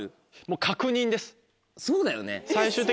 そうだよね。